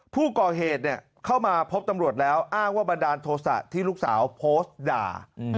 ผู้ก่อเหตุเข้ามาพบตำรวจแล้วอ้างว่าบันดาลโทษะที่ลูกสาวโพสต์ด่า